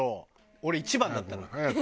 俺１番だったの。早く。